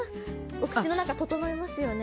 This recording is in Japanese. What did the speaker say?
お口の中、整いますよね。